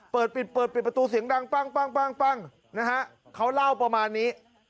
เปิดปิดเปิดปิดประตูเสียงดังปั้งนะฮะเขาเล่าประมาณนี้